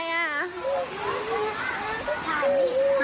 อาวะแม่ตาย